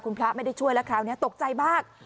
คุณพระไม่ได้ช่วยแล้วคราวนี้ตกใจมาก